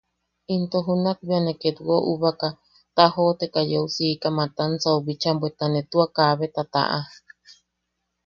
Into junak bea ne ketwo ubaka, tajooteka yeu siika Matansau bicha, bweta ne tua kabeta taʼa.